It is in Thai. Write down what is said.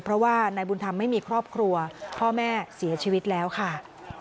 เพราะว่านายบุญธรรมไม่มีครอบครัวพ่อแม่เสียชีวิตแล้วค่ะ